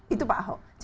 itu pak ahok